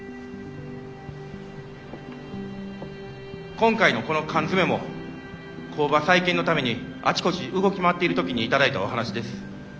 今回のこの缶詰も工場再建のためにあちこち動き回っている時に頂いたお話です。